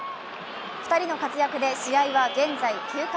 ２人の活躍で試合は現在、９回。